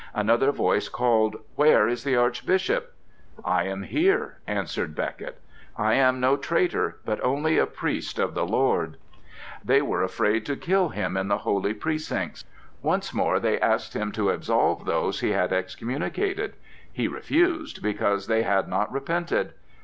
Another voice called: "Where is the Archbishop?" "I am here," answered Becket. "I am no traitor, but only a priest of the Lord!" They were afraid to kill him in the holy precincts. Once more they asked him to absolve those he had excommunicated. He refused, because they had not repented.